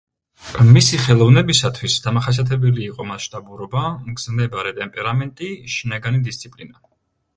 მისი ხელოვნებისათვის დამახასიათებელი იყო მასშტაბურობა, მგზნებარე ტემპერამენტი, შინაგანი დისციპლინა.